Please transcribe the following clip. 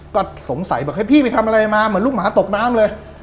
ก็สงสัยบอกให้พี่ไปทำอะไรมาเหมือนลูกหมาตกน้ำเลย